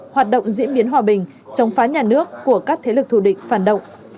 hoạt động diễn biến hòa bình chống phá nhà nước của các thế lực thù địch phản động